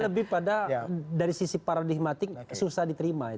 lebih pada dari sisi paradigmatik susah diterima